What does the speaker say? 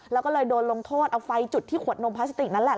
แล้วก็เลยโดนลงโทษเอาไฟจุดที่ขวดนมพลาสติกนั่นแหละ